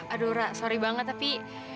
aduh sorry banget tapi